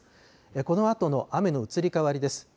このあとの雨の移り変わりです。